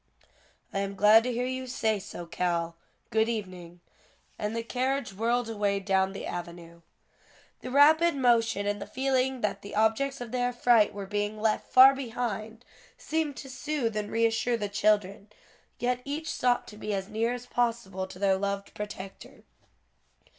"I am glad to hear you say so, Cal. Good evening." And the carriage whirled away down the avenue. The rapid motion and the feeling that the objects of their affright were being left far behind, seemed to soothe and reassure the children, yet each sought to be as near as possible to their loved protector.